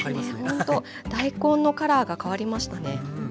大根のカラーが変わりましたね。